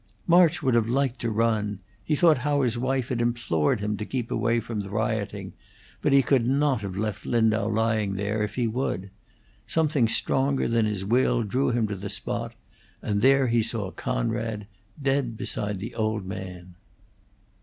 March would have liked to run; he thought how his wife had implored him to keep away from the rioting; but he could not have left Lindau lying there if he would. Something stronger than his will drew him to the spot, and there he saw Conrad, dead beside the old man.